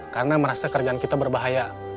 karena merasa kerjaan kita berbahaya